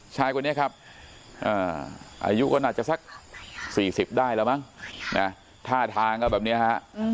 ชายคนนี้ครับอายุก็น่าจะสัก๔๐ได้แล้วมั้งท่าทางก็แบบนี้ฮะ